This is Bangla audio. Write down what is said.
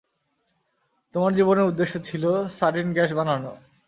তোমার জীবনের উদ্দেশ্য ছিল সারিন গ্যাস বানানো।